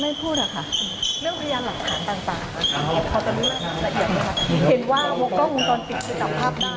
ไปพูดอ่ะค่ะเรื่องพยานหลักศาสตร์ต่างต่างค่ะ